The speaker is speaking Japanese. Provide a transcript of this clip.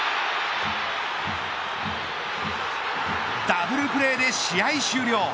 ダブルプレーで試合終了。